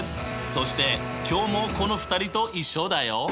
そして今日もこの２人と一緒だよ。